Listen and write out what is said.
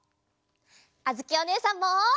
あづきおねえさんも！